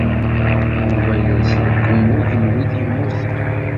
Yuba yers deg wumuɣ n wid yemmuten.